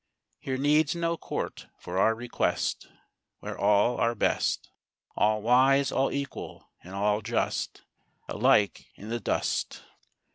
Here needs no court for our Request Where all are best; All wise, all equal, and all just Alike i'th' dust.